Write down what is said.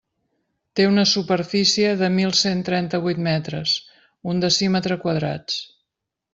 Té una superfície de mil cent trenta-vuit metres, un decímetre quadrats.